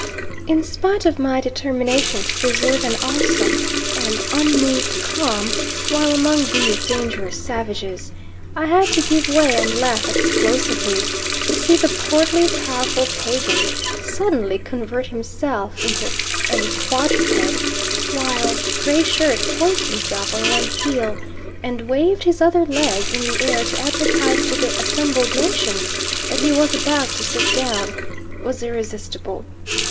In spite of my determination to preserve an awesome and unmoved calm while among these dangerous savages, I had to give way and laugh explosively; to see the portly, powerful Pagan suddenly convert himself into a quadruped, while Gray Shirt poised himself on one heel and waved his other leg in the air to advertise to the assembled nations that he was about to sit down, was irresistible.